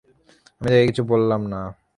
আমি তাকে কিছু বললাম না।